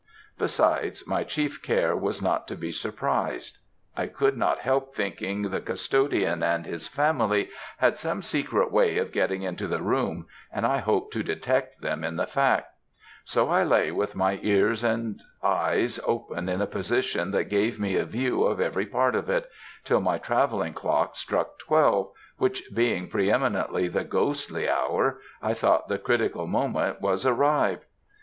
Besides, my chief care was not to be surprised. I could not help thinking the custodian and his family had some secret way of getting into the room, and I hoped to detect them in the fact; so I lay with my eyes and ears open in a position that gave me a view of every part of it, till my travelling clock struck twelve, which being pre eminently the ghostly hour, I thought the critical moment was arrived.